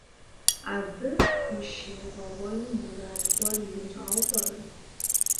Абы ущигъэуэну мурад гуэр имыщӀауэ пӀэрэ?